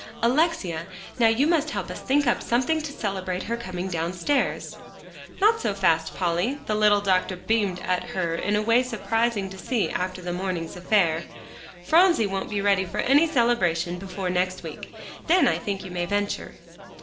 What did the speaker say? "Alexia, now you must help us think up something to celebrate her coming downstairs." "Not so fast, Polly." The little doctor beamed at her in a way surprising to see after the morning's affair. "Phronsie won't be ready for any celebration before next week. Then I think you may venture."